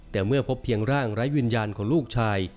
แต่เมื่อพบเพียงร่างไร้วิญญาณของลูกชาย